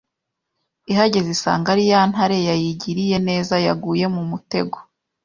Ihageze isanga ari ya ntare yayigiriye neza yaguye mu mutego